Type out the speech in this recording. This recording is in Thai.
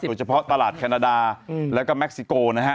โดยเฉพาะตลาดแคนนาดาแล้วก็เม็กซิโก